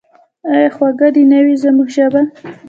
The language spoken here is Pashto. آیا خوږه دې نه وي زموږ ژبه؟